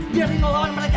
biar lino lawan mereka